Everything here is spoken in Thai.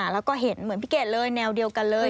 แล้วก็เห็นเหมือนพี่เกดเลยแนวเดียวกันเลย